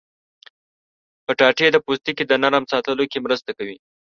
کچالو د پوستکي د نرم ساتلو کې مرسته کوي.